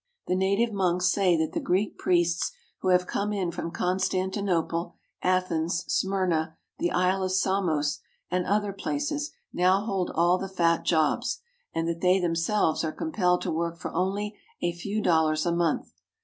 The native monks say that the Greek priests who have come in from Constantinople, Athens, Smyrna, the Isle of Samos, and other places now hold all the fat jobs, and that they themselves are compelled to work for only a few dol lars a month.